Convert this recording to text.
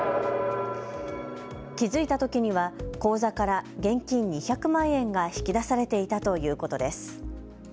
気付いたときには口座から現金２００万円が引き出されていたということです。